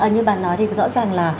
như bà nói thì rõ ràng là